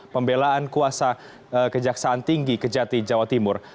pembelaan kuasa kejaksaan tinggi ke jati jawa timur